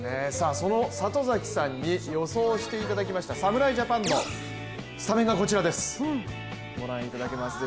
その里崎さんに予想していただきました、侍ジャパンのスタメンがこちらです。